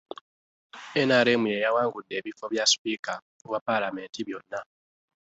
NRM y'eyawangudde ebifo bya sipiika wa ppaalamenti byonna.